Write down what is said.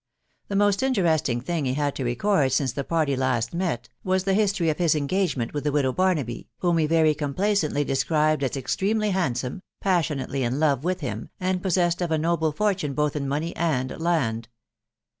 The most interesting thing he had. to record ,419 the party last met, was the history of his engagement. with $* widow Barnaby, whom he very complacently described a* eip tremely handsome, passionately in love with hirn^ anjl j^iafnawd of a noble fortune both in money and land.